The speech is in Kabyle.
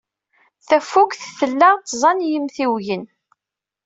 Tafukt tla tẓa n yimtiwgen.